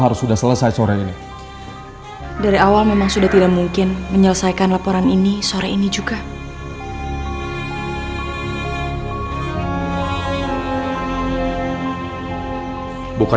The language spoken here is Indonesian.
raden berkata siapapun tidak diperbolehkan untuk masuk